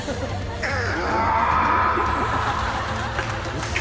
ウソ。